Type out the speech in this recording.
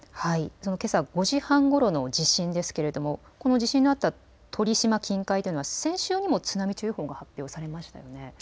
けさ５時半ごろの地震ですがこの地震のあった鳥島近海というのは先週にも津波注意報が発表されましたよね。